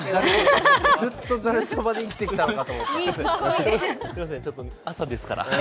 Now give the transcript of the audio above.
ずっとざるそばで生きてきたのかと思った。